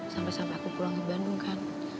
sampai sampai aku pulang ke bandung kan